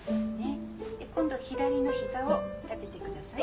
今度は左のひざを立ててください。